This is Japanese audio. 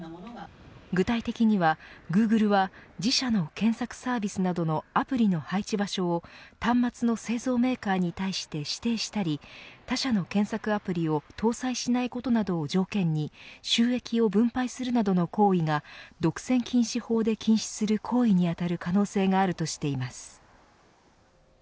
具体的には、グーグルは自社の検索サービスなどのアプリの配置場所を端末の製造メーカーに対して指定したり他社の検索アプリを搭載しないことなどを条件に収益を分配するなどの行為が独占禁止法で禁止する行為に当たる可能性があるとしています。